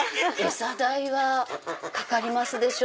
餌代はかかりますでしょ？